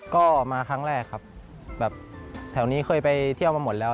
ก็มาครั้งแรกครับแบบแถวนี้เคยไปเที่ยวมาหมดแล้ว